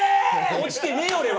落ちてねえよ、俺は。